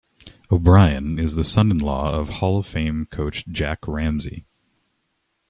O'Brien is the son-in-law of Hall of Fame coach Jack Ramsay.